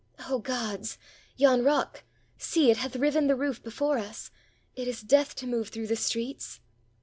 "Oh gods! yon rock — see, it hath riven the roof be fore us! it is death to move through the streets!"